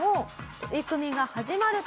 取組が始まると。